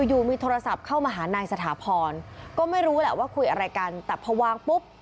อยู่มีโทรศัพท์เข้ามาหานายสถาพรก็ไม่รู้แหละว่าคุยอะไรกันแต่พอวางปุ๊บ